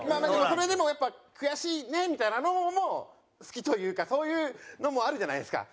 それでもやっぱ悔しいねみたいなのも好きというかそういうのもあるじゃないですか。